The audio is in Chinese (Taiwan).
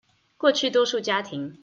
過去多數家庭